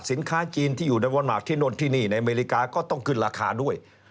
สินค้าจีนที่อยู่ในวอนมาร์คที่โน่นที่นี่ในอเมริกาก็ต้องขึ้นราคาด้วย